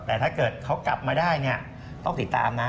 แต่ถ้าเกิดเขากลับมาได้เนี่ยต้องติดตามนะ